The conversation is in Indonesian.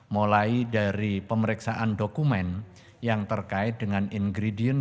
mulai dari pemeriksaan dokumen yang terkait dengan ingredient